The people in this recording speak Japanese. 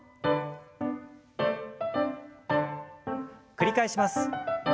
繰り返します。